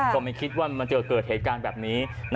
ก็ไม่คิดว่ามันจะเกิดเหตุการณ์แบบนี้